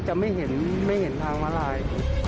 จะไม่เห็นทางม้าลาย